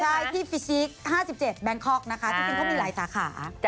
ใช่ที่ฟิซิก๕๗แบงคอกนะคะจริงเขามีหลายสาขา